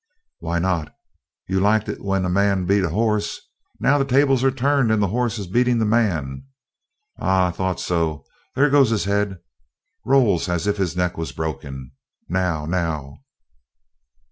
"Why not? You liked it when a man beat a hoss. Now the tables are turned and the hoss is beating the man. Ah, I thought so. There goes his head! Rolls as if his neck was broken. Now! Now!"